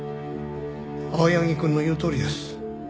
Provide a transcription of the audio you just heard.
青柳くんの言うとおりです。